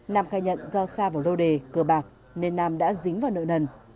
nam khai nhận do xa vào lô đề cờ bạc nên nam đã dính vào nợ nần